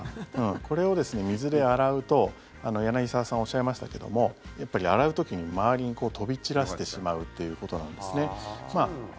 これを水で洗うと柳澤さんおっしゃいましたけどもやっぱり洗う時に周りに飛び散らせてしまうということなんですね。